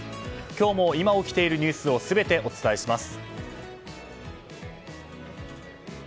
今日も今起きているニュースを全てお伝えします。